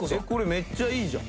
めっちゃいいじゃん。